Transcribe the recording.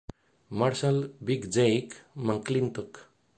Marshal", "Big Jake", "McLintock!